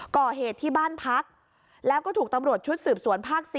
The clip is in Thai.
ก่อเหตุที่บ้านพักแล้วก็ถูกตำรวจชุดสืบสวนภาค๔